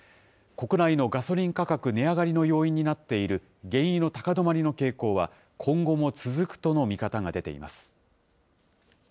国内のガソリン価格値上がりの要因になっている原油の高止まりの傾向は、今後も続くとの見方が出ています。